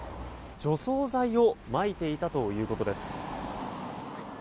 除草剤をまいていたということです。